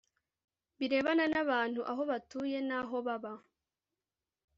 birebana n abantu aho batuye n aho baba